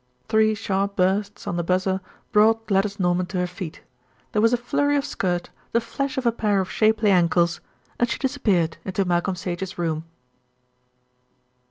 Three sharp bursts on the buzzer brought Gladys Norman to her feet. There was a flurry of skirt, the flash of a pair of shapely ankles, and she disappeared into Malcolm Sage's room.